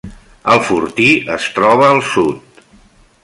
El fortí es troba al sud.